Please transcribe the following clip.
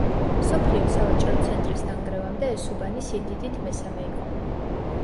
მსოფლიო სავაჭრო ცენტრის დანგრევამდე ეს უბანი სიდიდით მესამე იყო.